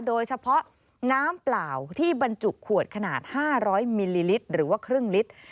โดยเฉพาะน้ำเปล่าที่บรรจุขวดขนาด๕๐๐มิลลิลิตรหรือว่าครึ่งลิตร